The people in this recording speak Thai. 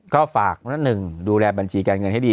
ก็ฝากวันละหนึ่งดูแลบัญชีการเงินให้ดี